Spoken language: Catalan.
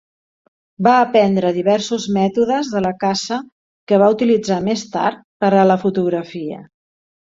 Va aprendre diversos mètodes de la caça que va utilitzar més tard per a la fotografia.